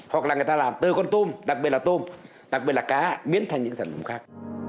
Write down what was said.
hoặc là người ta làm từ con tôm đặc biệt là tôm đặc biệt là cá biến thành những sản phẩm khác